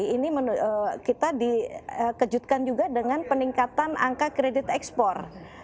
ini kita dikejutkan juga dengan peningkatan angka kredit ekspor